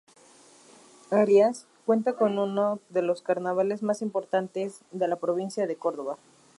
Arias cuenta con uno de los carnavales más importantes de la provincia de Córdoba.